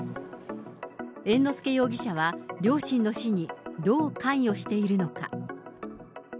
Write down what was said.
猿之助容疑者は両親の死にどう関与しているのか。